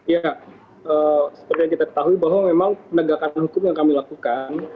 ya seperti yang kita ketahui bahwa memang penegakan hukum yang kami lakukan